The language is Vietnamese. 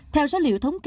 theo số liệu thống kê